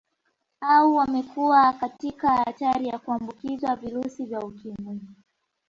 Au wamekuwa katika hatari ya kuambukizwa virusi vya Ukimwi